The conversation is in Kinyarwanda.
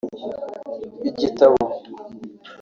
Igitabo